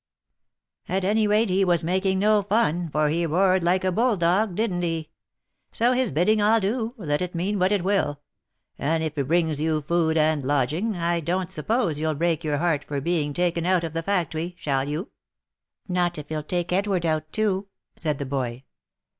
" At any rate, he was making no fun, for he roared like a bull dog, didn't he ? So his bidding I'll do, let it mean what it will ; and if it brings you food and lodging, I don't suppose you'll break your heart for being taken out of the factory — shall you V* " Not if he'll take Edward out too," said the boy.